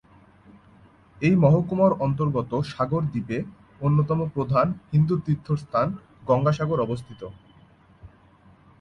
এই মহকুমার অন্তর্গত সাগর দ্বীপে অন্যতম প্রধান হিন্দু তীর্থস্থান গঙ্গাসাগর অবস্থিত।